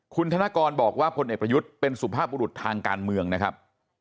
คุณธนกรบอกว่าพลเอกประยุทธ์เป็นสุภาพบุรุษทางการเมืองนะครับ